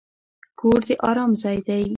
کور د ارام ځای دی.